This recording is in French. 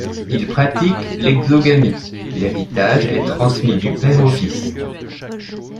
Ils pratiquent l’exogamie, l’héritage est transmis du père au fils.